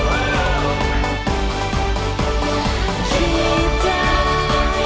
hanya dia yang castro